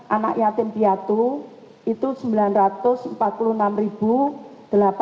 anak yatim piatu itu rp sembilan ratus empat puluh enam delapan ratus